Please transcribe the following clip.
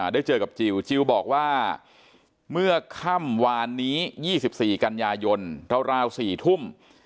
ได้เจอกับจิลจิลบอกว่าเมื่อค่ำวานนี้๒๔กันยายนราว๔ทุ่ม